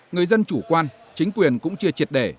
người dân chủ quan chính quyền cũng chưa triệt để